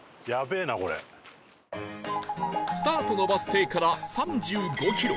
スタートのバス停から３５キロ